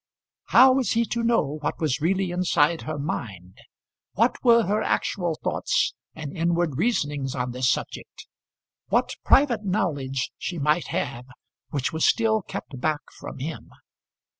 How was he to know what was really inside her mind; what were her actual thoughts and inward reasonings on this subject; what private knowledge she might have which was still kept back from him?